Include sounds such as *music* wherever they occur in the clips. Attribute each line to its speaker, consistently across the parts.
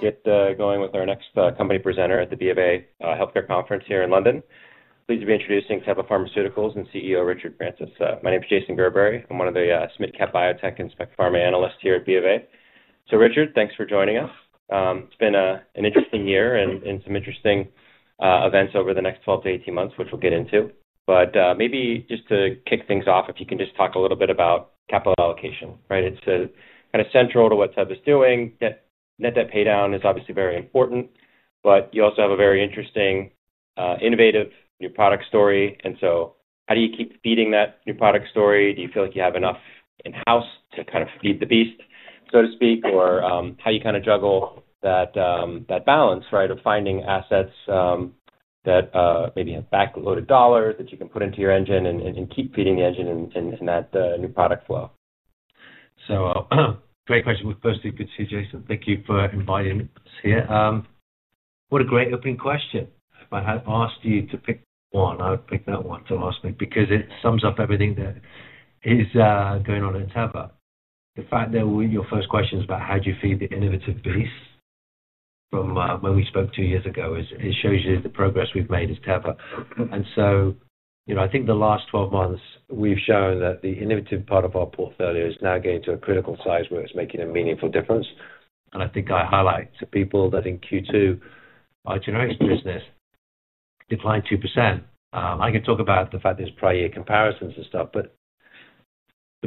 Speaker 1: Going to get going with our next company presenter at the BofA Healthcare Conference here in London. Pleased to be introducing Teva Pharmaceuticals and CEO, Richard Francis. My name is Jason Gerberry. I'm one of the SMID-cap Biotech and Specialty Pharma analysts here at BofA. Richard, thanks for joining us. It's been an interesting year and some interesting events over the next 12 months-18 months, which we'll get into. Maybe just to kick things off, if you can just talk a little bit about capital allocation, right? It's kind of central to what Teva is doing. Net debt paydown is obviously very important, but you also have a very interesting, innovative new product story. How do you keep feeding that new product story? Do you feel like you have enough in-house to kind of feed the beast, so to speak or how do you kind of juggle that balance of finding assets that may, be have backloaded dollars that you can put into your engine, and keep feeding the engine in that new product flow?
Speaker 2: Great question. Firstly, good to see you, Jason. Thank you for inviting us here. What a great opening question. If I had asked you to pick one, I would pick that one to ask me because it sums up everything that is going on at Teva Pharmaceutical. The fact that your first question is about, how do you feed the innovative beast from when we spoke two years ago? It shows you the progress we've made as Teva. I think the last 12 months, we've shown that the innovative part of our portfolio is now getting to a critical size where it's making a meaningful difference. I THINK highlight to people that in Q2 our generics business declined 2%. I could talk about the fact there's prior year comparisons and stuff, but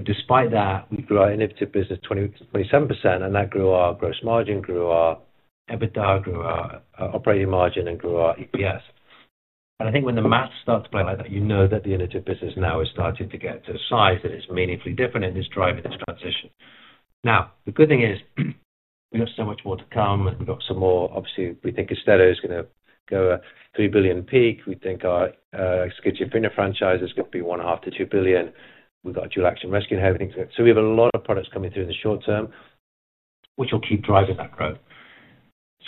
Speaker 2: despite that, we've grown innovative business 27% and that grew our gross margin, grew our EBITDA, grew our operating margin, and grew our EPS. I think when the math starts to play like that, you know that the innovative business now is starting to get to a size that is meaningfully different and is driving this transition. Now, the good thing is we have so much more to come and we've got some more. Obviously, we think Austedo is going to go a $3 billion peak. We think our *crosstalk* franchise is going to be $1.5 billion-2 billion. We've got dual action rescue and everything. We have a lot of products coming through in the short term, which will keep driving that growth.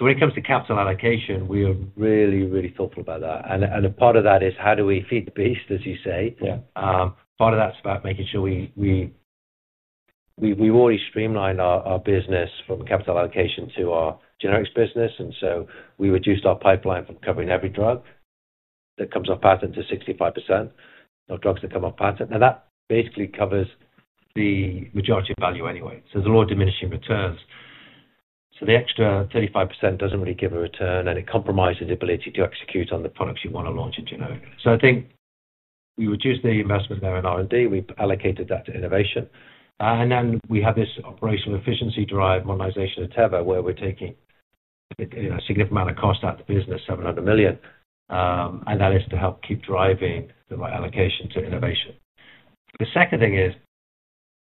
Speaker 2: When it comes to capital allocation, we are really, really thoughtful about that. A part of that, is how do we feed the beast, as you say? Part of that's about making sure we've already streamlined our business from capital allocation to our generics business. We reduced our pipeline from covering every drug that comes off patent to 65%, of drugs that come off patent. That basically covers the majority of value anyway. There's a lot of diminishing returns. The extra 35% doesn't really give a return, and it compromises the ability to execute on the products you want to launch in generic. I think we reduced the investment there in R&D. We've allocated that to innovation. Now, we have this operational efficiency-derived modernization of Teva, where we're taking a significant amount of cost out of the business, $700 million. That is to help keep driving the right allocation to innovation. The second thing is,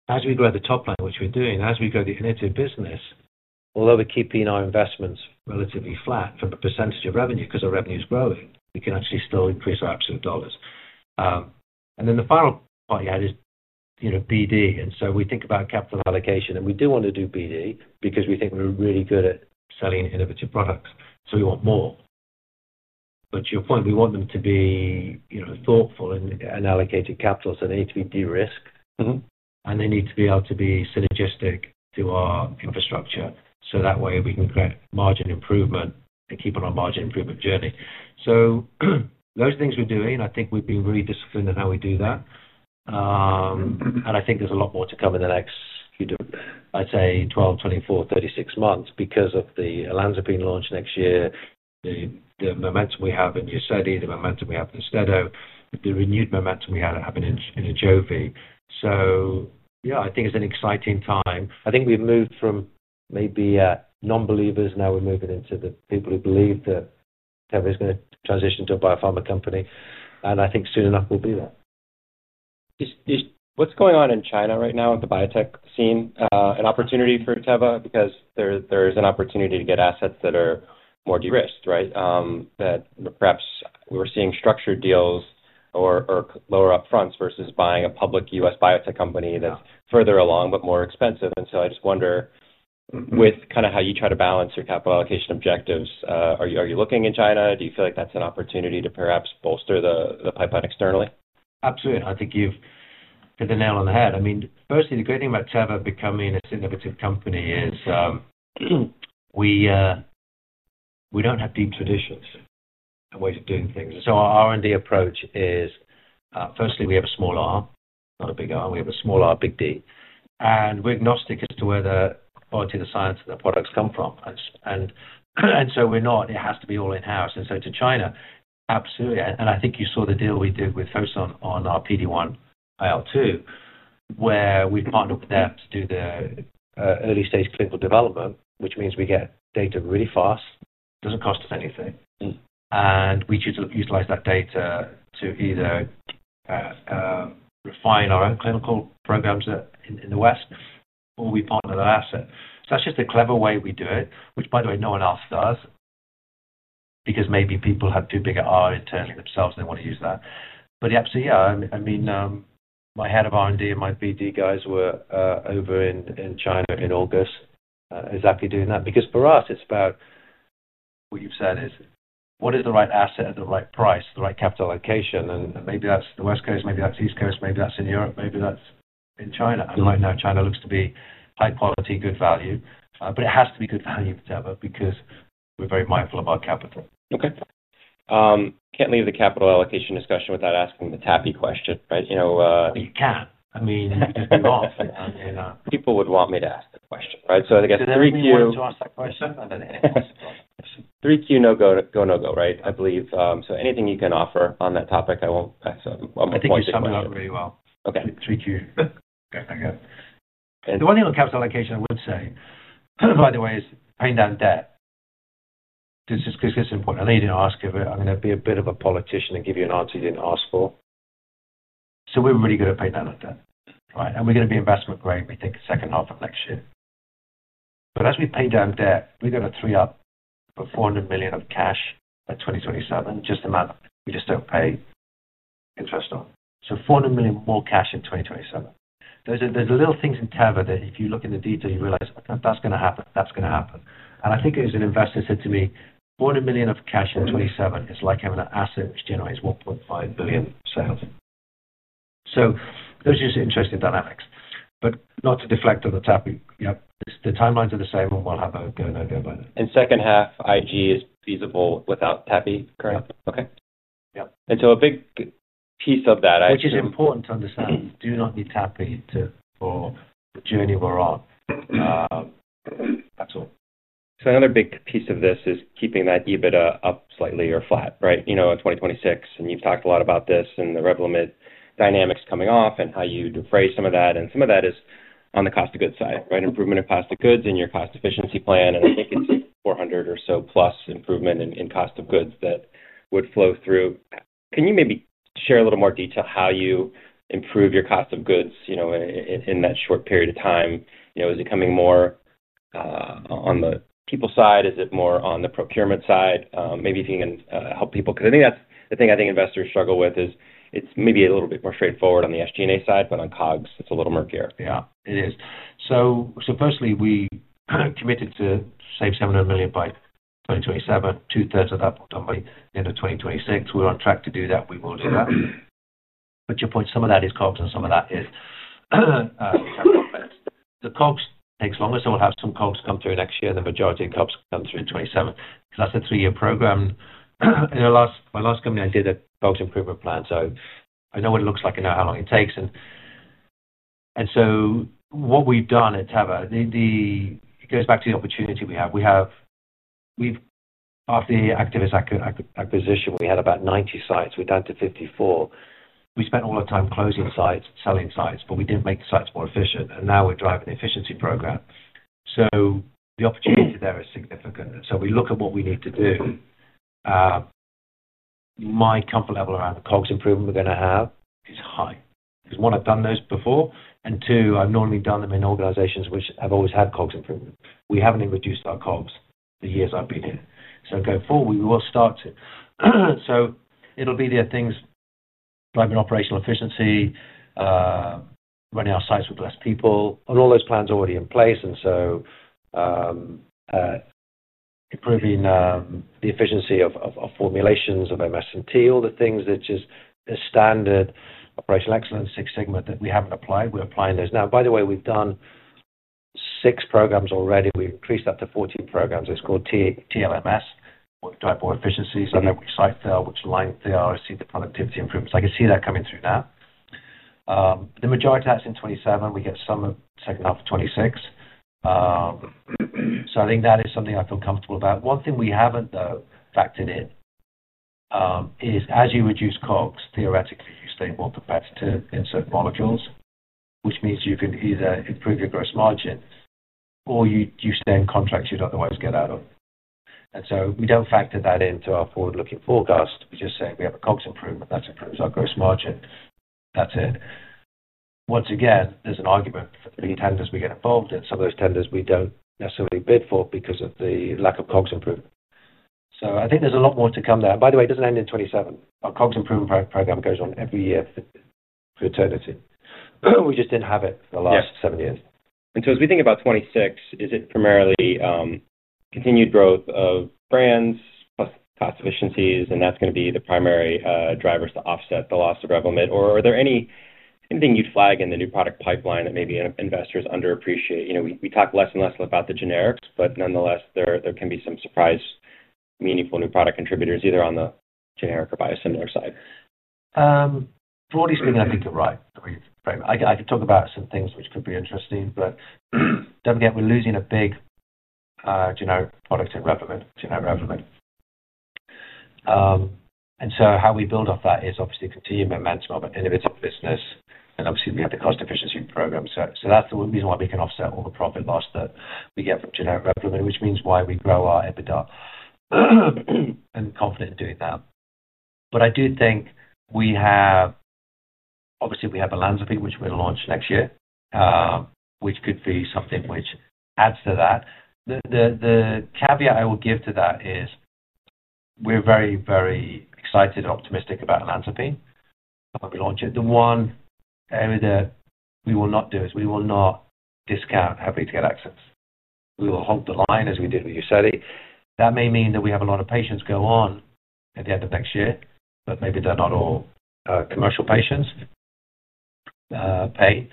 Speaker 2: as we grow the top plan, which we're doing, as we grow the innovative business, although we're keeping our investments relatively flat from the percentage of revenue because our revenue is growing, we can actually still increase our absolute dollars. The final part you add is BD. We think about capital allocation and we do want to do BD, because we think we're really good at selling innovative products, so we want more. To your point, we want them to be thoughtful and allocated capital. They need to be de-risked, and they need to be able to be synergistic to our infrastructure. That way we can create margin improvement, and keep it on a margin improvement journey. Those are things we're doing. I think we've been really disciplined in how we do that. I think there's a lot more to come in the next, I'd say, 12 months, 24months, 36 months because of the olanzapine launch next year, the momentum we have in Uzedy, the momentum we have in Austedo, the renewed momentum we have happening in Ajovy. I think it's an exciting time. I think we've moved from maybe non-believers, now we're moving into the people who believe that everything is going to transition to a biopharma company. I think soon enough, we'll be there.
Speaker 1: What's going on in China right now with the biotech scene? An opportunity for Teva because there is an opportunity to get assets that are more de-risked. Perhaps we're seeing structured deals or lower upfronts versus buying a public U.S. biotech company that's further along, but more expensive. I just wonder, with kind of how you try to balance your capital allocation objectives, are you looking in China? Do you feel like that's an opportunity to perhaps bolster the pipeline externally?
Speaker 2: Absolutely. I think you've hit the nail on the head. Firstly, the great thing about Teva becoming this innovative company, is we don't have deep traditions and ways of doing things. Our R&D approach is firstly, we have a small r, not a big R. We have a small r, big D, and we're agnostic as to where the biology, the science, and the products come from. We're not saying, "It has to be all in-house," to China. Absolutely, and I think you saw the deal we did with Fosun on our PD1-IL2, where we partnered with them to do their early-stage clinical development, which means we get data really fast. It doesn't cost us anything, and we can utilize that data to either refine our own clinical programs in the West or we partner with that asset. That's just a clever way we do it, which, by the way, no one else does, because maybe people have too big an R internally themselves and they want to use that. My Head of R&D and my BD guys were over in China in August exactly doing that. For us, it's about what you've said: what is the right asset at the right price, the right capital allocation. Maybe that's the West Coast, maybe that's East Coast, maybe that's in Europe, maybe that's in China. Right now, China looks to be high quality, good value. It has to be good value for Teva because we're very mindful of our capital.
Speaker 1: Okay. Can't leave the capital allocation discussion without asking the TAPI question, right?
Speaker 2: You can. I mean, you'd. *crosstalk*
Speaker 1: People would want me to ask the question, right?
Speaker 2: *crosstalk* to ask that question.
Speaker 1: Three Q, go, no go, right? Anything you can offer on that topic, I won't. *crosstalk*
Speaker 2: I think it's coming on really well, three Q.
Speaker 1: Okay.
Speaker 2: The one thing on capital allocation I would say, by the way, is paying down debt. This is just important. I know you didn't ask about it, I'd be a bit of a politician and give you an answer you didn't ask for. We're really going to pay down that debt, and we're going to be investment-grade we think the second half of next year. As we pay down debt, we're going to free up the $400 million of cash in 2027, just a matter of, we just don't pay interest on. $400 million more cash in 2027. There are little things in Teva that if you look in the detail, you realize that's going to happen. That's going to happen. I think it was an investor who said to me, $400 million of cash in 2027 is like having an asset which generates $1.5 billion sales. Those are just interesting dynamics. Not to deflect on the TAPI, the timelines are the same and we'll have a go over by then.
Speaker 1: Second half IG is feasible without TAPI, correct?
Speaker 2: Yeah.
Speaker 1: Okay.
Speaker 2: Yeah.
Speaker 1: A big piece of that. *crosstalk*
Speaker 2: Which is important to understand, you do not need TAPI for the journey we're on at all.
Speaker 1: Another big piece of this is keeping that EBITDA up slightly or flat. In 2026, you've talked a lot about this and the Revlimid dynamics coming off, and how you defray some of that. Some of that is on the cost of goods side, right? Improvement of cost of goods in your cost efficiency plan. I think it's $400 million or so plus improvement in cost of goods that would flow through. Can you maybe share a little more detail how you improve your cost of goods in that short period of time? Is it coming more on the people side? Is it more on the procurement side? Maybe if you can help people, because I think that's the thing I think investors struggle with. It's maybe a little bit more straightforward on the SG&A side, but on COGS, it's a little murkier.
Speaker 2: Yeah, it is. Firstly, we committed to save $700 million by 2027, 2/3 of that by the end of 2026. We're on track to do that. We will do that. To your point, some of that is COGS and some of that is. *crosstalk* The COGS takes longer, so we'll have some COGS come through next year. The majority of COGS come through in 2027. That's a three-year program. In my last company, I did a COGS improvement plan. I know what it looks like. I know how long it takes. What we've done at Teva, it goes back to the opportunity we have. After the Actavis acquisition, we had about 90 sites. We've added to 54. We spent all our time closing sites, selling sites, but we didn't make the sites more efficient. Now we're driving the efficiency program. The opportunity there is significant. We look at what we need to do. My comfort level around the COGS improvement we're going to have is high. One, I've done those before. Two, I've normally done them in organizations which have always had COGS improvement. We haven't even reduced our COGS the years I've been here. Going forward, we will start to. It'll be the things driving operational efficiency, running our sites with less people and all those plans are already in place. Improving the efficiency of formulations of MS&T, all the things that are just a standard operational excellence segment that we haven't applied, we're applying those. By the way, we've done six programs already. We've increased that to 14 programs. It's called TLMS, Typeware Efficiencies. I'm not sure which site they are, which line they are, to see the productivity improvements. I can see that coming through now. The majority of that's in 2027. We get some in the second half of 2026. I think that is something I feel comfortable about. One thing we haven't though factored in, is as you reduce COGS, theoretically you still want the [pets] to insert molecules, which means you can either improve your gross margin or you spend contracts you'd otherwise get out of. We don't factor that into our forward-looking forecast. We just say we have a COGS improvement. That improves our gross margin. That's it. Once again, there's an argument for the tenders we get involved in. Some of those tenders, we don't necessarily bid for because of the lack of COGS improvement. I think there's a lot more to come there. By the way, it doesn't end in 2027. Our COGS improvement program goes on every year for eternity. We just didn't have it for the last seven years.
Speaker 1: As we think about 2026, is it primarily continued growth of brands plus cost efficiencies and that's going to be the primary drivers to offset the loss of Revlimid? Are there anything you'd flag in the new product pipeline that maybe investors underappreciate? We talk less and less about the generics, but nonetheless, there can be some surprise meaningful new product contributors either on the generic or biosimilar side.
Speaker 2: Broadly speaking, I think you're right. I could talk about some things which could be interesting, but don't forget we're losing a big generic product in Revlimid. How we build off that is obviously continued momentum of an innovative business. Obviously, we have the cost efficiency program. That's the reason why we can offset all the profit loss that we get from generic Revlimid, which means why we grow our EBITDA. I'm confident in doing that. I do think obviously we have olanzapine, which we're going to launch next year, which could be something which adds to that. The caveat I will give to that is we're very, very excited and optimistic about olanzapine. The one area that we will not do is, we will not discount [happy to get access]. We will hold the line as we did with Uzedy. That may mean that we have a lot of patients go on at the end of next year, but maybe they're not all commercial patients paying.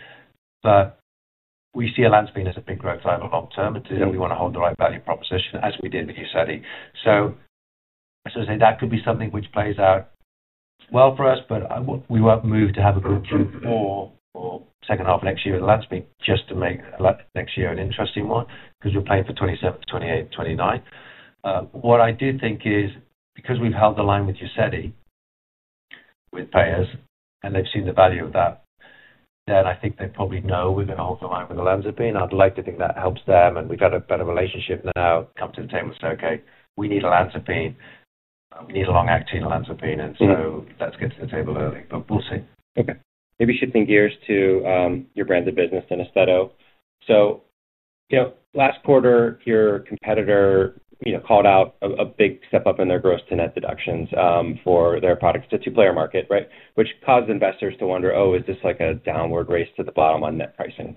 Speaker 2: We see olanzapine as a big growth driver long term. We want to hold the right value proposition as we did with Uzedy. Obviously, that could be something which plays out well for us, but we won't move to have a good Q4 or second half of next year with olanzapine, just to make next year an interesting one because you're paying for 2027, 2028, 2029. What I do think is, because we've held the line with Uzedy with payers and they've seen the value of that, then I think they probably know we're going to hold the line with olanzapine. I'd like to think that helps them, and we've got a better relationship now come to the table and say, "Okay, we need olanzapine, need a long-acting olanzapine. Let's get to the table early," but we'll see.
Speaker 1: Okay. Maybe shifting gears to your branded business in Austedo. Last quarter, your competitor called out a big step up in their gross to net deductions for their products to a two-player market, right? Which caused investors to wonder, "Oh, is this like a downward race to the bottom on net pricing?'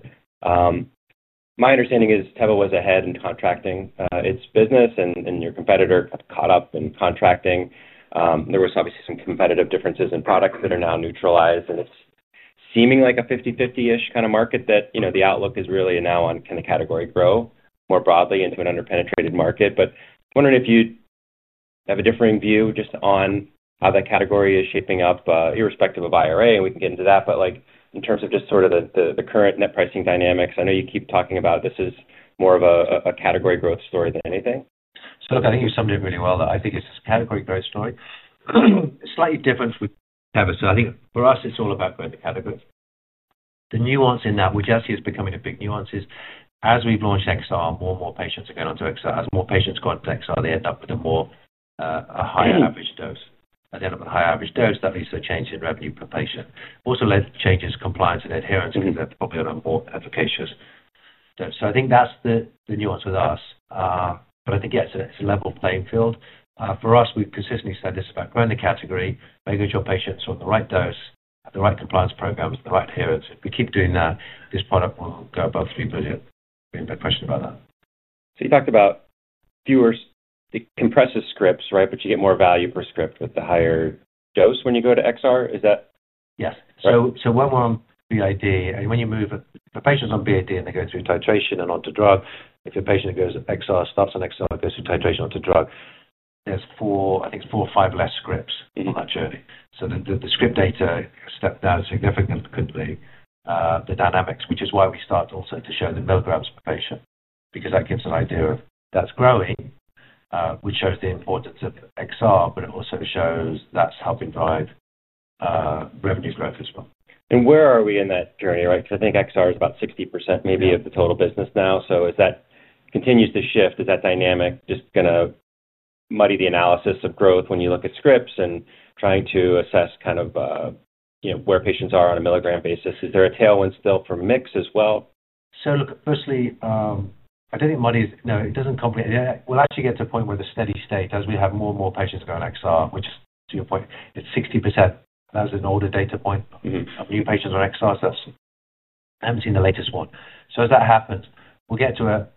Speaker 1: My understanding is Teva was ahead in contracting its business, and your competitor caught up in contracting. There was obviously some competitive differences in products that are now neutralized. It's seeming like a 50-50-ish kind of market, that the outlook is really now on kind of category growth more broadly into an underpenetrated market. I'm wondering if you have a differing view just on how that category is shaping up irrespective of IRA. We can get into that. In terms of just sort of the current net pricing dynamics, I know you keep talking about, this is more of a category growth story than anything.
Speaker 2: Look, I think you summed it really well. I think it's a category growth story. It's slightly different with Teva. I think for us, it's all about [growth] categories. The nuance in that, which I see as becoming a big nuance, is as we've launched XR, more and more patients are going on to XR. As more patients go on to XR, they end up with a higher average dose. At the end of the higher avaerage dose, that leads to a change in revenue per patient. It also led to changes in compliance and adherence, which means that they're probably on a more efficacious dose. I think that's the nuance with us. I think, yes, it's a level playing field. For us, we've consistently said this about growing the category, making sure patients are on the right dose, the right compliance programs, the right adherence. If we keep doing that, this product will go above $3 billion. *crosstalk* questions about that.
Speaker 1: You talked about fewer compressive scripts, right? You get more value per script with the higher dose when you go to XR.
Speaker 2: Yes. When we're on BID, and when you move the patients on BID and they go through titration and onto drug, if a patient that goes to XR, starts on XR, but goes through titration onto drug, there's I think it's four or five less scripts in that journey. The script data steps down significantly the dynamics, which is why we start also to show the milligrams per patient, because that gives an idea of, that's growing, which shows the importance of XR, but it also shows that's helping drive revenue growth as well.
Speaker 1: Where are we in that journey? I think XR is about 60% maybe of the total business now. As that continues to shift, is that dynamic just going to muddy the analysis of growth when you look at scripts and trying to assess kind of where patients are on a milligram basis? Is there a tailwind still from a mix as well?
Speaker 2: Firstly, I don't think it's muddy, no, it doesn't complicate that. We'll actually get to a point where there's steady state, as we have more and more patients go on XR, which is to your point, it's 60%. That was an older data point. New patients are on XR, so I haven't seen the latest one. As that happens, we'll get to a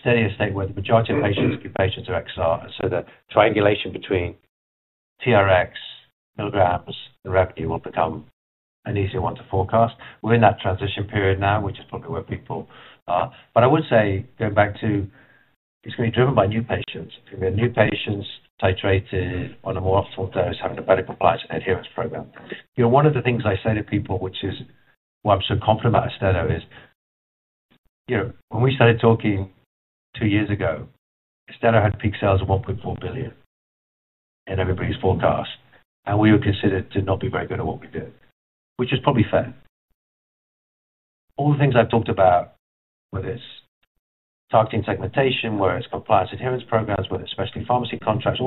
Speaker 2: steadier state where the majority of patients, acute patients are XR. The triangulation between TRX, milligrams, and revenue will become an easier one to forecast. We're in that transition period now, which is probably where people are. I would say, going back to, it's going to be driven by new patients, if you have new patients titrated on a more optimal dose, having a better compliance and adherence program. One of the things I say to people, which is why I'm so confident about Austedo is, when we started talking two years ago, Austedo had peak sales of $1.4 billion in everybody's forecast. We were considered to not be very good at what we did, which is probably fair. All the things I talked about with this, targeting segmentation, whether it's compliance, adherence programs, whether it's specialty pharmacy contracts,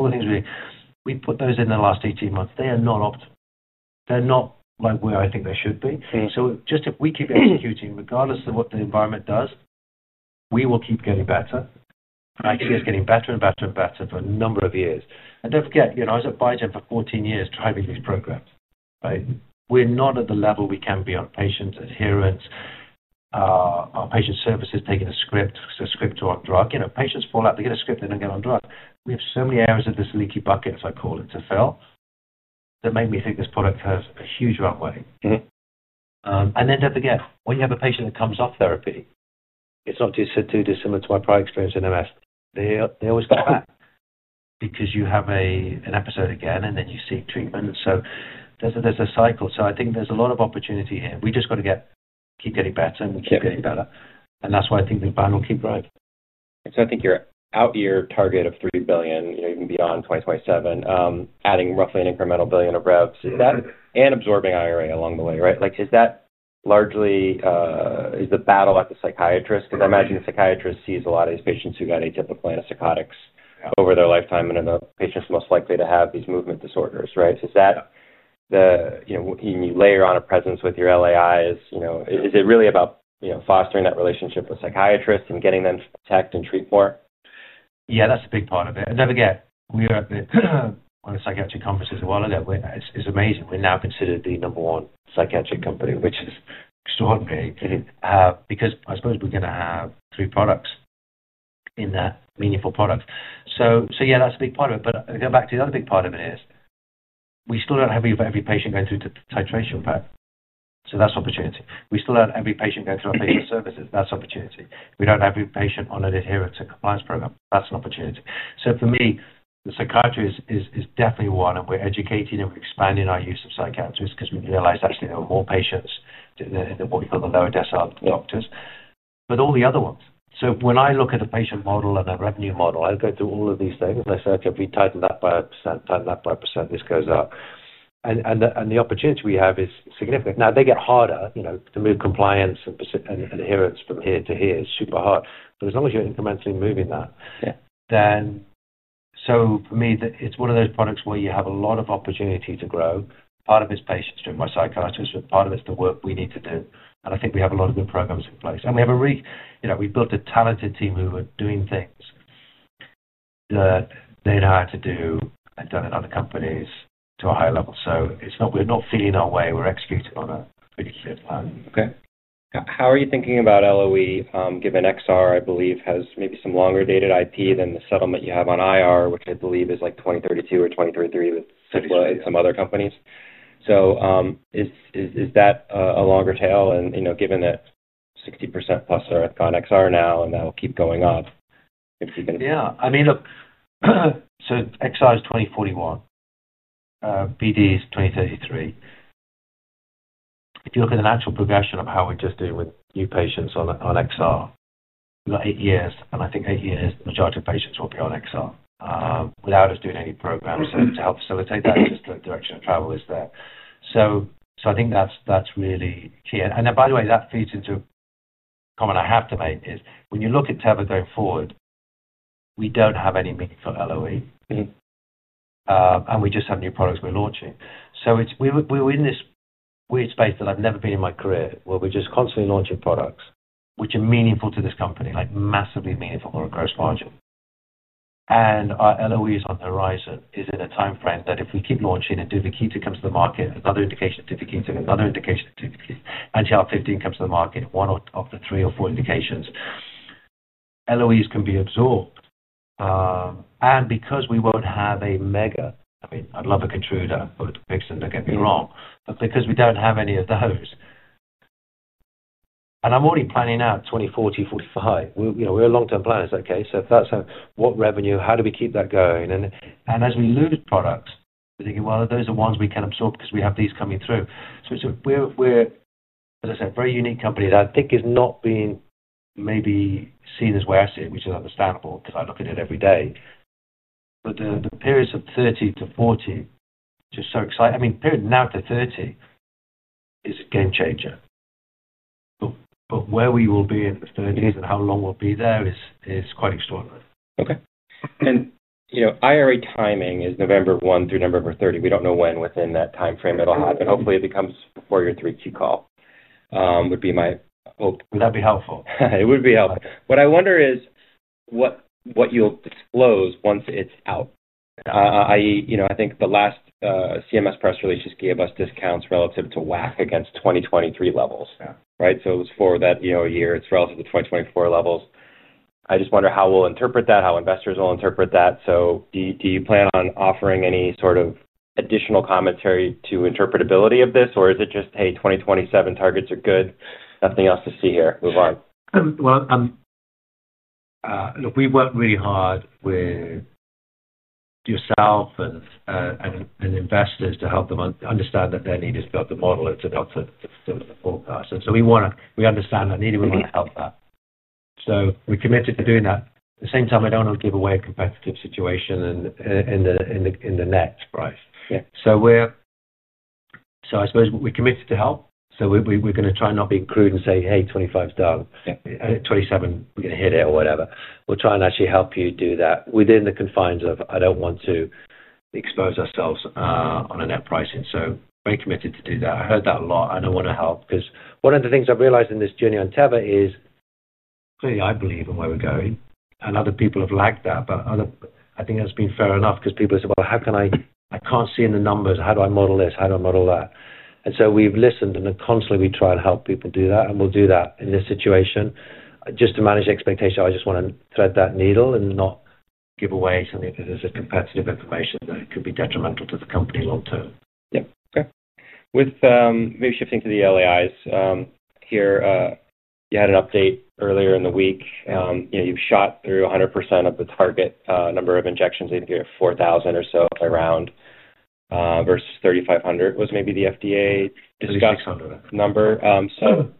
Speaker 2: we put those in the last 18 months, they are not optimal. They're not where I think they should be. If we keep executing, regardless of what the environment does, we will keep getting better. I can see us getting better and better for a number of years. Don't forget, I was at Biogen for 14 years driving these programs. We're not at the level we can be on patients adherence, our patient services taking a script, so a script to our drug. Patients fall out, they get a script, they don't get on drug. We have so many areas of this leaky bucket, as I call it, to fill, that made me think this product has a huge runway. Don't forget, when you have a patient that comes off therapy, it's not too dissimilar to my prior experience in MS. They always come back because you have an episode again, and then you seek treatment. There's a cycle. I think there's a lot of opportunity here. We just got to keep getting better, and we keep getting better. That's why I think this plan will keep growing.
Speaker 1: I think you're at your target of $3 billion, even beyond 2027, adding roughly an incremental billion of reps and absorbing IRA along the way, right? Is that largely, it's the battle at the psychiatrist? I imagine the psychiatrist sees a lot of these patients who got atypical antipsychotics over their lifetime, and are the patients most likely to have these movement disorders, right? When you layer on a presence with your LAIs, is it really about fostering that relationship with psychiatrists and getting them to protect and treat more?
Speaker 2: Yeah, that's a big part of it. Don't forget, we are on the psychiatric conferences as well. It's amazing. We're now considered the number one psychiatric company, which is extraordinary because I suppose we're going to have three products in that, meaningful products. Yeah, that's a big part of it. I go back to the other big part of it, is we still don't have every patient going through the titration path. That's opportunity. We still don't have every patient going through our patient services. That's opportunity. We don't have every patient on an adherence to compliance program. That's an opportunity. For me, the psychiatry is definitely one, and we're educating and we're expanding our use of psychiatrists because we realize actually there are more patients than what we call the lower decile of the doctors, [than] all the other ones. When I look at the patient model and the revenue model, I go through all of these things. I say, "Okay, if we tighten that by a percent, tighten that by a percent, this goes up. The opportunity we have is significant. Now they get harder to move compliance and adherence from here to here. It's super hard. As long as you're incrementally moving that, thenfor me, it's one of those products where you have a lot of opportunity to grow. Part of it is patients *crosstalk* psychiatrists, but part of it is the work we need to do. I think we have a lot of good programs in place. We've built a talented team who are doing things that they know how to do, and done it at other companies to a higher level. We're not feeling our way. We're executing on a really clear plan.
Speaker 1: Okay. How are you thinking about LOE given XR, I believe has maybe some longer dated IP than the settlement you have on IR, which I believe is like 2032 or 2033 with some other companies? Is that a longer tail, given that 60%+ are at XR now and that will keep going up? *crosstalk*
Speaker 2: Yeah. I mean, look, so XR is 2041. BD is 2033. If you look at the natural progression of how we're just doing with new patients on XR, we've got eight years and I think eight years, the majority of patients will be on XR without us doing any programs. To help facilitate that, just the direction of travel is there. I think that's really key. By the way, that feeds into a comment I have to make. When you look at Teva going forward, we don't have any meaningful LOE and we just have new products we're launching. We're in this weird space that I've never been in my career, where we're just constantly launching products which are meaningful to this company, like massively meaningful for a gross margin. Our LOEs on the horizon is in a timeframe that if we keep launching and Duvakitug comes to the market, another indication of Duvakitug, another indication of Duvakitug, and [HR15] comes to the market, one of the three or four indications, LOEs can be absorbed. I'd love a Keytruda, but Vixen, don't get me wrong, but we don't have any of those. I'm already planning out 2040, 2045, you know, we're long-term planners, okay? That's, what revenue, how do we keep that going? As we [loaded] products, we're thinking, "Well, those are ones we can absorb because we have these coming through." We're as I said, a very unique company that I think is not being maybe seen as the way I see it, which is understandable because I look at it every day. The periods of 2030-2040 is so exciting. I mean, the period now to 2030 is a game changer. Where we will be in 30 years and how long we'll be there is quite extraordinary.
Speaker 1: Okay. IRA timing is November 1 through November 30. We don't know when within that timeframe it'll happen. Hopefully, it becomes before your 3Q call, would be my hope.
Speaker 2: That'd be helpful.
Speaker 1: It would be helpful. What I wonder is what you'll disclose once it's out. I.e., I think the last CMS press release just gave us discounts relative to WAC against 2023 levels. It was for that year. It's relative to 2024 levels. I just wonder how we'll interpret that, how investors will interpret that. Do you plan on offering any sort of additional commentary to interpretability of this, or is it just, hey, 2027 targets are good. Nothing else to see here, move on?
Speaker 2: Look, we've worked really hard with yourself and investors to help them understand that their need is about the model, it's about the forecast. We understand that need and we want to help that. We're committed to doing that. At the same time, I don't want to give away a competitive situation in the net price. I suppose we're committed to help. We're going to try and not be crude and say, "Hey, 2025 is done. I think 2027, we're going to hit it or whatever." We'll try and actually help you do that within the confines of, I don't want to expose ourselves on a net pricing. Very committed to do that. I heard that a lot. One of the things I've realized in this journey on Teva is, see, I believe in where we're going. Other people have liked that, but others, I think that's been fair enough because people have said, "I can't see in the numbers. How do I model this? How do I model that?" We've listened, and then constantly we try and help people do that. We'll do that in this situation just to manage expectation. I just want to thread that needle and not give away something, because there's competitive information that could be detrimental to the company long term.
Speaker 1: Yeah, okay. Maybe shifting to the LAIs, here, you had an update earlier in the week. You've shot through 100% of the target number of injections, either you're at 4,000 or so around, versus 3,500. Was maybe the FDA [crosstalk.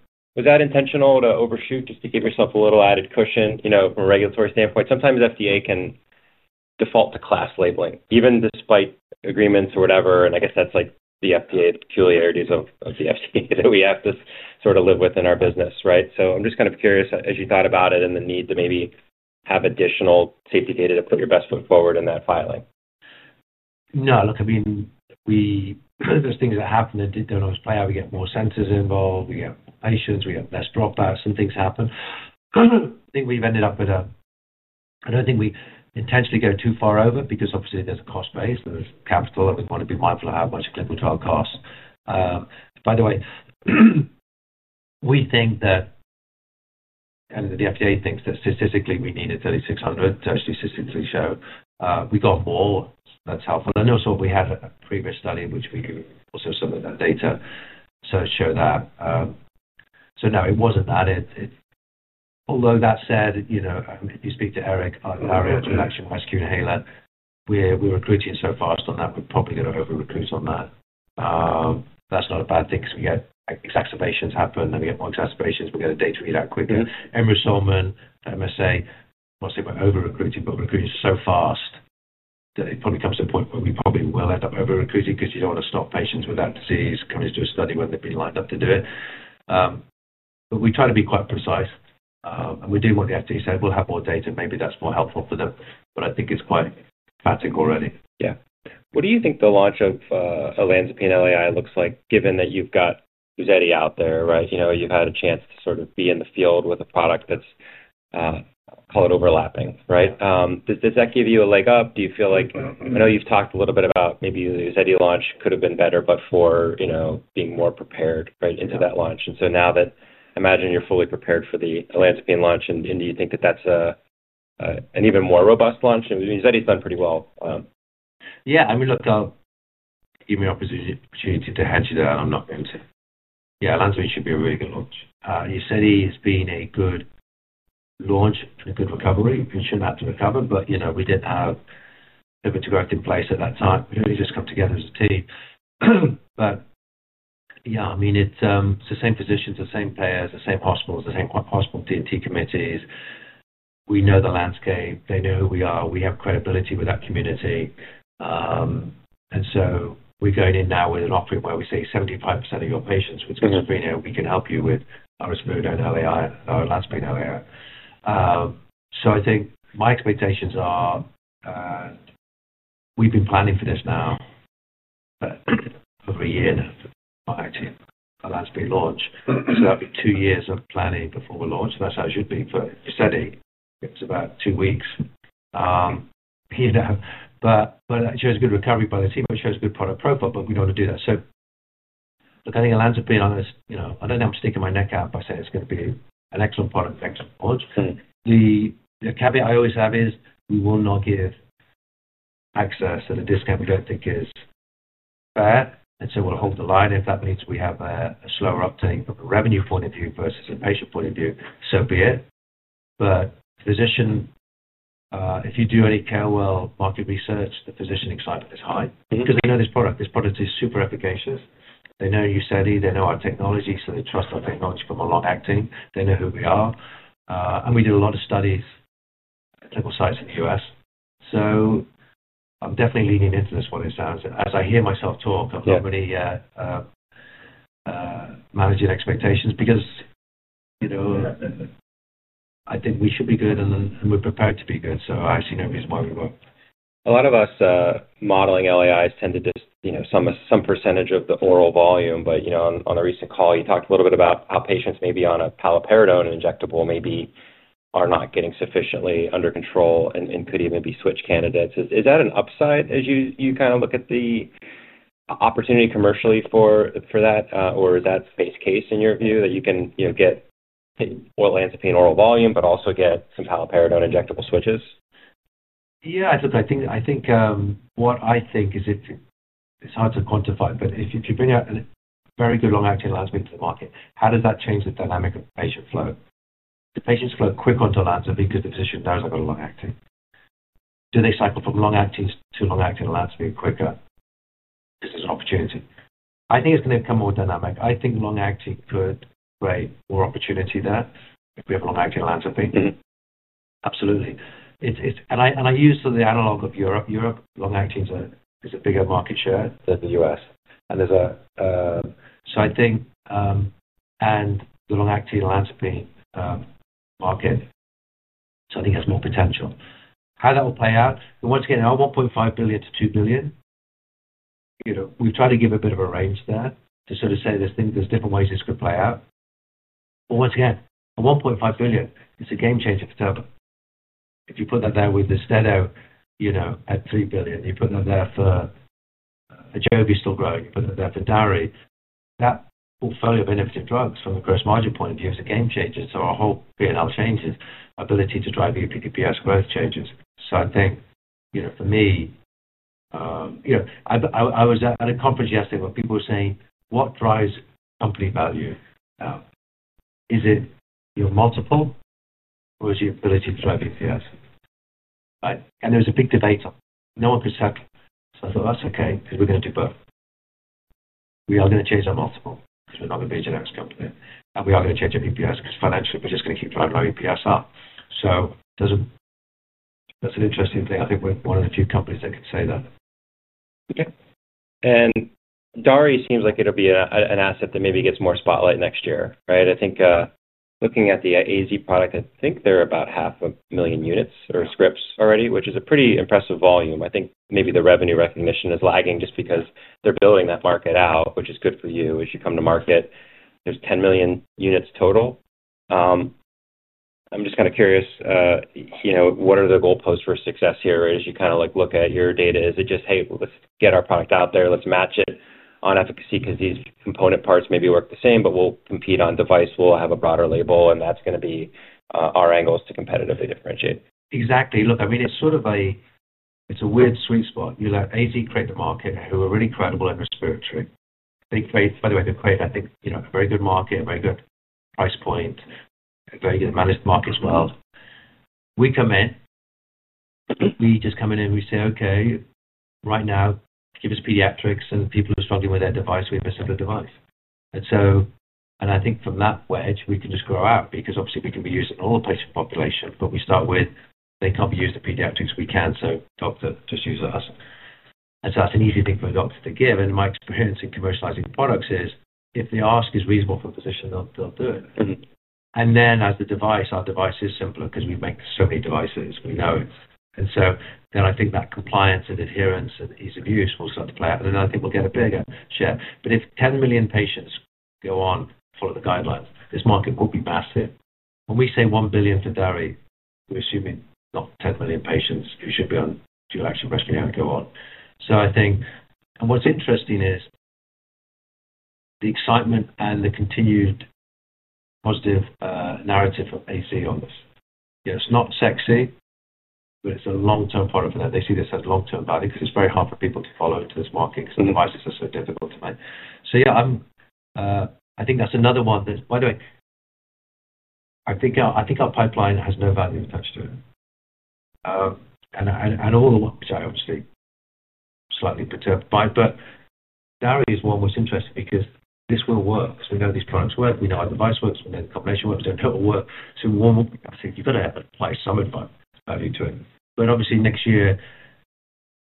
Speaker 2: *crosstalk*
Speaker 1: Was that intentional to overshoot, just to give yourself a little added cushion from a regulatory standpoint? Sometimes FDA can default to class labeling, even despite agreements or whatever. I guess that's like the FDA peculiarities of *crosstalk* that we have to sort of live with in our business, right? I'm just kind of curious, as you thought about it and the need to maybe have additional safety data to put your best foot forward in that filing.
Speaker 2: No, look, I mean, there's things that happen that don't always play out. We get more centers involved. We get [issues]. We get less dropouts. Some things happen. I don't think we intentionally go too far over because obviously there's a cost base. There's capital, and we would want to be mindful of how much clinical trial costs. By the way, the FDA thinks that statistically we needed 3,600. That's statistically shown. We got more. That's helpful. Also, we also have a previous study which we also submitted that data, so show that. No, it wasn't that. Although that said, if you speak to Eric, *crosstalk* we're recruiting so fast on that. We're probably going to over-recruit on that. That's not a bad thing because we get exacerbations happen. We get more exacerbations. We get a day to eat out quickly. *crosstalk* MSA, I'm not saying we're over-recruiting, but we're recruiting so fast that it probably comes to a point where we probably will end up over-recruiting, because you don't want to stop patients with that disease coming to a study where they've been lined up to do it. We try to be quite precise. We do want the FDA to say, "We'll have more data" Maybe that's more helpful for them. I think it's quite patented already.
Speaker 1: Yeah. What do you think the launch of olanzapine LAI looks like, given that you've got Uzedy out there, right? You've had a chance to sort of be in the field with a product that's, call it overlapping, right? Does that give you a leg up? I know you've talked a little bit about maybe the Uzedy launch could have been better, but for being more prepared into that launch. Now I imagine you're fully prepared for the olanzapine launch. Do you think that that's an even more robust launch? Uzedy's done pretty well.
Speaker 2: Yeah. I mean, look, give me an opportunity to hedge it out. I'm not going to. Yeah, olanzapine should be a really good launch. Uzedy's been a good launch and a good recovery. We shouldn't have to recover, but we did have a good track in place at that time. We don't need to just come together [as a team]. Yeah, I mean, it's the same physicians, the same players, the same hospitals, the same hospital DMT committees. We know the landscape. They know who we are. We have credibility with that community. We're going in now with an offering where we say, "75% of your patients with, *crosstalk* we can help you with our olanzapine LAI." We've been planning for this now over a year now, prior to the olanzapine launch. That would be two years of planning before we launch. That's how it should be. For Uzedy, it's about two weeks. It shows a good recovery by the team, it shows a good product profile, but we don't want to do that. I think olanzapine, I don't think I'm sticking my neck out by saying it's going to be an excellent product, an excellent launch. The caveat I always have is, we will not give access to the discount we don't think is fair. We'll hold the line. If that means we have a slower uptake from a revenue point of view versus a patient point of view, so be it. If you do any care well, market research, the physician excitement is high. They *crosstalk* this product. This product is super efficacious. They know Uzedy. They know our technology. They trust our technology from a long acting. They know who we are. We do a lot of studies at several sites in the U.S. I'm definitely leaning into this one, it sounds. As I hear myself talk, I'm pretty managing expectations because I think we should be good and we're prepared to be good. I see no reason why we won't.
Speaker 1: A lot of us modeling LAIs tend to just, you know, sum some percent of the oral volume. On a recent call, you talked a little bit about how patients may be on a paliperidone injectable, maybe are not getting sufficiently under control and could even be switch candidates. Is that an upside as you look at the opportunity commercially for that? Is that base case in your view, that you can get olanzapine oral volume, but also get some paliperidone injectable switches?
Speaker 2: Yeah. Look, what I think is it's hard to quantify, but if you bring out a very good long-acting olanzapine to the market, how does that change the dynamic of the patient flow? If patients flow quicker onto olanzapine because the physician knows that they're long-acting, do they cycle from long-acting to long-acting olanzapine quicker? This is an opportunity. I think it's going to become more dynamic. I think long-acting could create more opportunity there, if we have a long-acting olanzapine. Absolutely. I use sort of the analogue of Europe. Europe, long-acting has a bigger market share than the U.S. The long-acting olanzapine market, I think it has more potential. How that will play out, once again, *crosstalk* $1.5 billion- $2 billion, we've tried to give a bit of a range there to sort of say there's different ways this could play out. Once again, at $1.5 billion, it's a game changer for Teva. If you put that there with Austedo at $3 billion, you're putting that there for Ajovy still growing, you're putting that there for DARI. That portfolio of innovative drugs from a gross margin point of view is a game changer. Our whole P&L changes. Our ability to drive the EPS growth changes. I was at a conference yesterday where people were saying, "What drives company value? Is it your multiple or is it your ability to drive EPS?" There's a big debate. No one [can tell]. I thought, that's okay because we're going to do both. We are going to change our multiple to another bigger Gen-X company, and we are going to change our EPS because financially, we're just going to keep driving our EPS up. That's an interesting thing. I think we're one of the few companies that can say that.
Speaker 1: Okay. DARI seems like it'll be an asset that maybe gets more spotlight next year, right? I think looking at the AZ product, I think they're about 500,000 units or scripts already, which is a pretty impressive volume. I think maybe the revenue recognition is lagging just because they're building that market out, which is good for you as you come to market. There's 10 million units total. I'm just kind of curious, you know, what are the goalposts for success here? As you kind of like look at your data, is it just, "Hey, let's get our product out there. Let's match it on efficacy because these component parts maybe work the same, but we'll compete on device. We'll have a broader label, and that's going to be our angles to competitively differentiate?"
Speaker 2: Exactly. Look, it's sort of a weird sweet spot. You let AZ create the market, and who are really credible in their [specialty]. By the way, they create a very good market, a very good price point, a very good managed market as well. We come in, we just come in and we say, "Okay, right now, give us pediatrics and the people who are struggling with their device. We have a similar device." I think from that wedge, we can just grow out because obviously we can be used in all the patient population, but we start with, they can't be used in pediatrics, we can. Doctor, just use us." That's an easy thing for a doctor to give. My experience in commercializing products is, if the ask is reasonable for a physician, they'll do it. Our device is simpler because we make so many devices, we know it. I think that compliance and adherence and ease of use will start to play out. I think we'll get a bigger share. If 10 million patients go on, follow the guidelines, this market will be massive. When we say $1 billion for DARI, we're assuming not 10 million patients who should be on dual action [respiratory therapy] go on. I think what's interesting is the excitement and the continued positive narrative from AZ on this. It's not sexy, but it's a long-term product for that. They see this has long-term value because it's very hard for people to follow into this market, because the devises are so difficult to make. I think that's another one that. By the way, I think our pipeline has no value attached to it. *crosstalk* obviously slightly deterred by, but DARI is one that's interesting because this will work because we know these products work, we know how the device works, and then the combination *crosstalk* they're total work. One will think, you've got to have quite *crosstalk* into it. Obviously next year,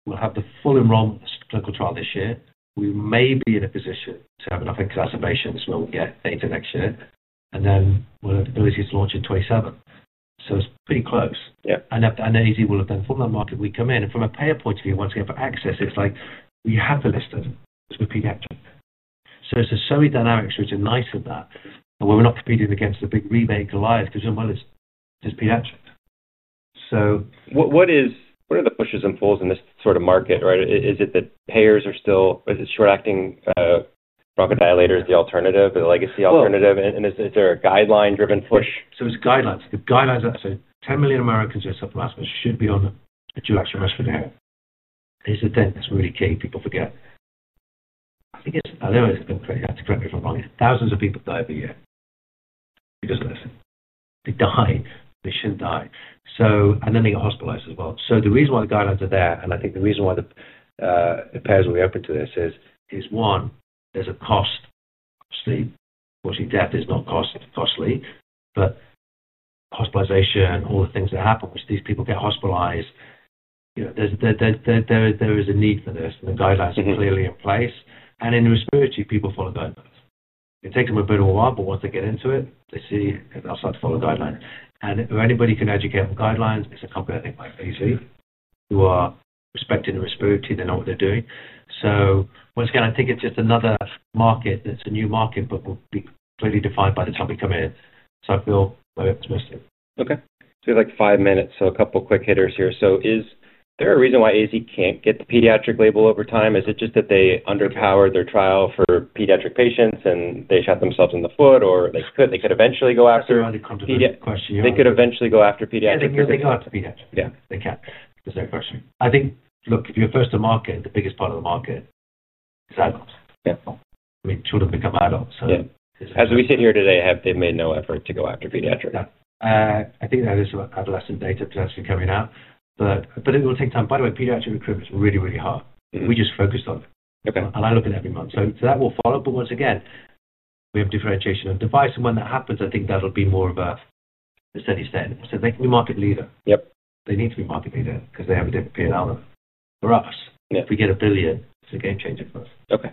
Speaker 2: we'll have the full enrollment of clinical trial this year. We may be in a position to have enough exacerbations where we'll get data next year. We'll have the easiest launch in 2027. It's pretty close. AZ will have done a full-on market. We come in, and from a payer point of view, once we have access, it's like you have to listen to a pediatric. It's a silly dynamic which is nice with that. We're not competing against the big rebate goliath because *crosstalk* it's pediatrics.
Speaker 1: What are the pushes and falls in this sort of market, right? Is it short-acting bronchodilators the alternative or the legacy alternative? Is there a guideline-driven push?
Speaker 2: It's guidelines. The guidelines are up to 10 million Americans who are *crosstalk* should be on a dual action risk [for data]. They say that's really key. People forget. I think it's, I don't know. *crosstalk* Thousands of people die every year because of this. They die. They shouldn't die. They get hospitalized as well. The reason why the guidelines are there, and I think the reason why the payers will be open to this is, is one, there's a cost. *crosstalk* Obviously, death is not costly, but hospitalization, all the things that happen, which these people get hospitalized, you know, there is a need for this. The guidelines are clearly in place. In the respiratory, people follow guidelines. It takes them a bit of a while, but once they get into it, they'll start to follow guidelines. If anybody can educate on guidelines, it's a company like AZ who are respecting respiratory. They know what they're doing. Once again, I think it's just another market that's a new market, but will be clearly defined by the time we come in. I feel very optimistic.
Speaker 1: Okay. We have like five minutes, so a couple of quick hitters here. Is there a reason why AZ can't get the pediatric label over time? Is it just that they underpower their trial for pediatric patients and they shot themselves in the foot, or they could eventually go after pediatric patients? They could eventually go after pediatric patients.
Speaker 2: *crosstalk* Yeah, they can. There's no question. I think, look, if you're first to market, the biggest part of the market is adults. Children become adults.
Speaker 1: Yeah, as we sit here today, they've made no effort to go after pediatric.
Speaker 2: Yeah. I think there is some adolescent data potentially coming out, but it will take time. By the way, pediatric recruitment is really, really hard. We just focused on it. I'm looking at it every month. That will follow. Once again, we have a differentiation of device. When that happens, I think that'll be more of a, as [Tedi] said, I think it's a market leader. They need to be market leader because they have a different P&L. For us, if we get $1 billion, it's a game-changer for us.
Speaker 1: Okay.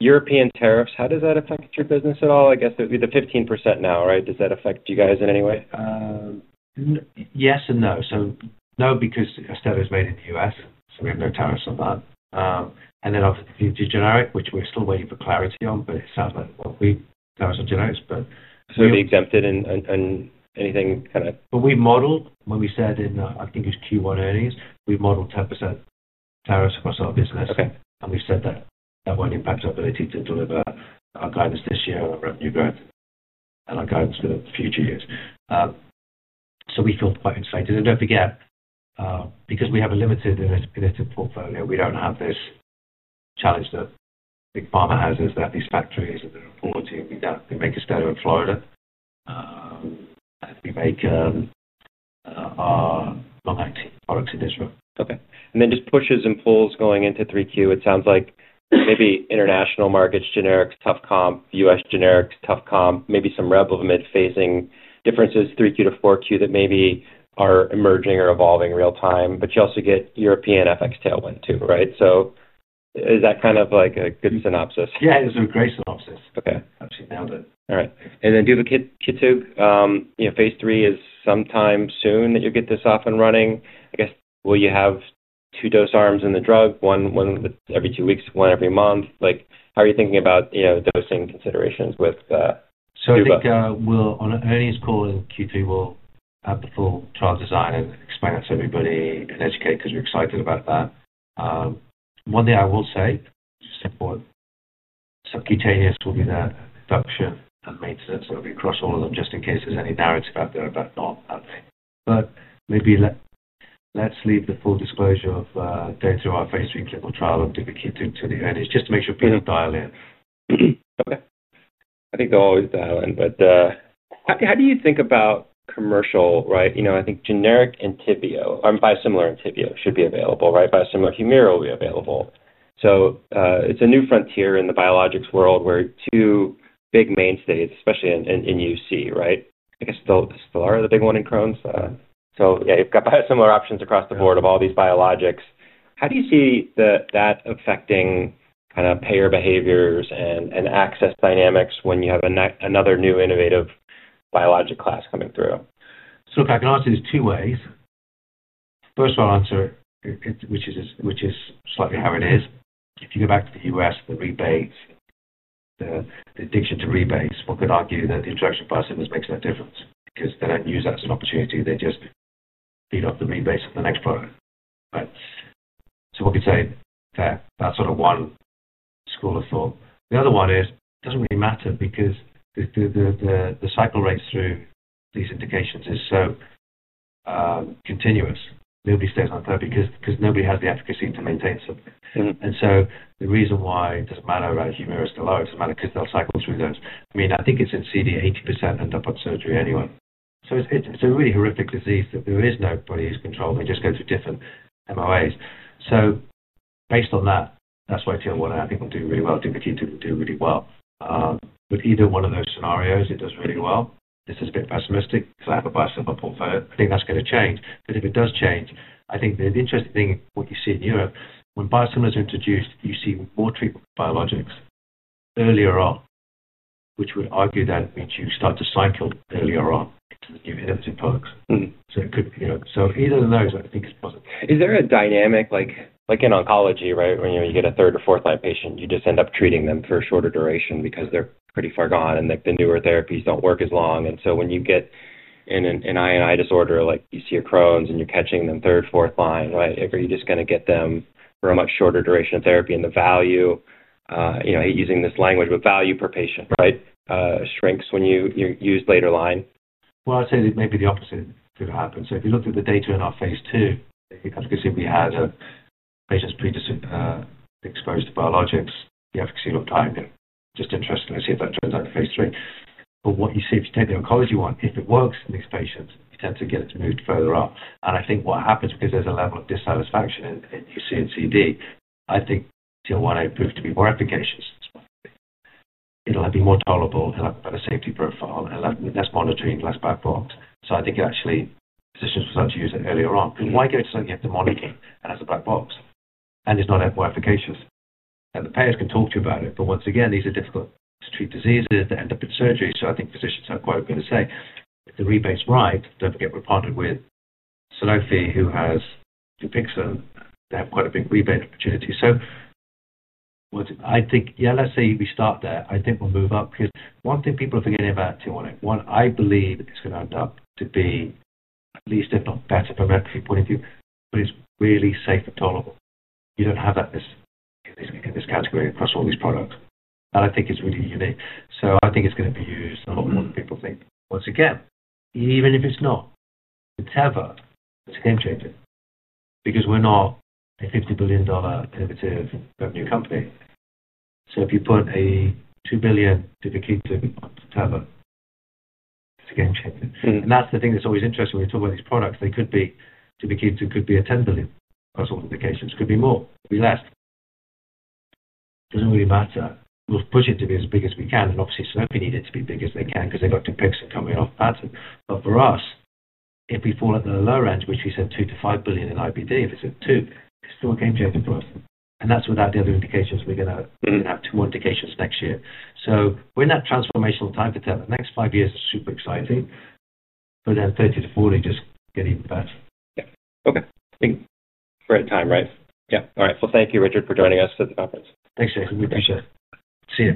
Speaker 1: European tariffs, how does that affect your business at all? I guess, you have the 15% now, right? Does that affect you guys in any way?
Speaker 2: Yes and no. No, because Austedo is made in the U.S., so we have no tariffs on that. Obviously, if you do generic, which we're still waiting for clarity on, it sounds like we've got our generics.
Speaker 1: It'll be exempted?
Speaker 2: When we said in, I think it was Q1 earnings, we modeled 10% tariffs across our business. We said that won't impact our ability to deliver our guidance this year, our new guidance and our guidance for the future years. We feel quite excited. Don't forget, because we have a limited innovative portfolio, we don't have this challenge that big pharma has, which is that these factories, *crosstalk* we don't think make Austedo in Florida. We make our long-acting products in this room.
Speaker 1: Okay. Just pushes and pulls going into 3Q, it sounds like maybe international markets, generics, tough comp, U.S. generics, tough comp, maybe some Revlimid phasing differences 3Q-4Q that maybe are emerging or evolving real time. You also get European FX tailwind too. Is that kind of a good synopsis?
Speaker 2: Yeah, it's a great synopsis.
Speaker 1: Okay.
Speaker 2: Absolutely nailed it.
Speaker 1: All right. *crosstalk* you know, phase III is sometime soon that you'll get this off and running. I guess, will you have two dose arms in the drug, one every two weeks, one every month? How are you thinking about dosing considerations with that?
Speaker 2: I think on the earnings call in Q2, we'll have the full trial design and explain that to everybody and educate because we're excited about that. One thing I will say, just to quote, "subcutaneous will be the structure that makes it so that we cross all of them," just in case there's any narrative about. *crosstalk* Maybe let's leave the full disclosure of going through our phase III clinical trial, and do the Q2 earnings, just to make sure people dial in.
Speaker 1: Okay. I think they'll always dial in. How do you think about commercial, right? I think generic Entyvio and biosimilar Entyvio should be available, right? Biosimilar and Humira will be available. It's a new frontier in the biologics world with two big mainstays, especially in UC, right? I guess Stelara is the big one in Crohn's. You've got biosimilar options across the board of all these biologics. How do you see that affecting kind of payer behaviors, and access dynamics when you have another new innovative biologic class coming through?
Speaker 2: If I can answer in these two ways. First I'll answer, which is slightly how it is. If you go back to the U.S., the addiction to rebates, one could argue that the introduction of biosimilars makes no difference, because they don't use that as an opportunity. They just beat up the rebates on the next product, right? We could say that's sort of one school of thought. The other one is, it doesn't really matter because the cycle rates through these indications is so continuous. Nobody stays on therapy because nobody has the efficacy to maintain it. The reason why it doesn't matter about Humira or Stelara, it doesn't matter because they'll cycle through those. I think it's in CD, 80% end up on surgery anyway. It's a really horrific disease. There is nobody who's controlled. They just go through different MOAs. Based on that, that's why tier one I think will do really well. [Duvakitug] do really well. With either one of those scenarios, it does really well. This is a bit pessimistic [because I have a biosimilar] portfolio. I think that's going to change. If it does change, I think the interesting thing is what you see in Europe. When biosimilars are introduced, you see more treatment biologics earlier on, which would argue that it means you start to cycle earlier on into the new innovative products. Either of those, I think it's possible.
Speaker 1: Is there a dynamic, like in oncology when you get a third or fourth line patient, you just end up treating them for a shorter duration because they're pretty far gone and the newer therapies don't work as long. When you get in an [INI] disorder, like you see your Crohn's and you're catching them third, fourth line, are you just going to get them for a much shorter duration of therapy and the value? Are using this language, but value per patient shrinks when you use a later line?
Speaker 2: I’d say that it might be the opposite that happens. If you look at the data in our phase II, the efficacy we had in patients predisposed to biologics, the efficacy looked [tiny]. Just interesting. I see a bunch of it out in phase III. What you see if you take the oncology one, if it works in this patient, tend to get it to move further up. I think what happens because there's a level of dissatisfaction in QC and CD, I think tier 1A proved to be more efficacious as well. It’ll be more tolerable and have a better safety profile and less monitoring, less black box. I think actually physicians will start to use it earlier on, because why go to something you have to monitor as a black box an it’s not more efficacious? The payers can talk to you about it, but once again, these are difficult to treat diseases. They end up in surgery. I think physicians have quite a bit to say. The rebate's right. Don’t forget we partnered with Sanofi, who has Dupixent. They have quite a big rebate opportunity. I think let’s say we start there. I think we’ll move up because one thing people are forgetting about tier one, I believe it’s going to end up to be at least, if not better from a revenue point of view, but it’s really safe and tolerable. You don’t have that in this category across all these products. I think it’s really unique. I think it’s going to be used a lot more than people think. Once again, even if it’s not, Teva is a game changer because we’re not a $50 billion innovative revenue company. [People are paying $2 billion to duplicate] Teva, it’s a game changer. That’s the thing that’s always interesting when you talk about these products. They could be duplicates, it could be a $10 billion. *crosstalk* It could be more, it could be less. It doesn’t really matter. We’ll push it to be as big as we can. Obviously, Sanofi needed to be big as they can because they got Dupixent coming off that. For us, if we fall at the low range, which we said $2 billion-$5 billion in IBD, if it’s at $2 billion, it’s still a game changer for us. That’s without the other indications. We’re going to have two more indications next year. We’re in that transformational time for Teva. The next five years are super exciting, but then 30-40, just getting better.
Speaker 1: Yeah, okay. Thanks for your time. *crosstalk* All right. Thank you, Richard, for joining us at the conference.
Speaker 2: Thanks, Jason. We appreciate it. See you.